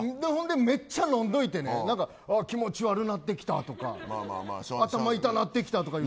めっちゃ飲んでおいてね気持ち悪なってきたとか頭痛なってきたとか。